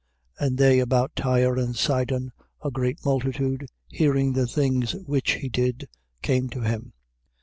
And they about Tyre and Sidon, a great multitude, hearing the things which he did, came to him.